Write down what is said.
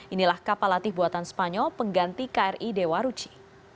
inilah kapal latih buatan spanyol pengganti kri dewa ruchi